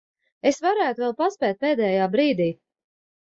Es varētu vēl paspēt pēdējā brīdī.